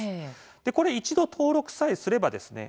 これ一度、登録さえすればですね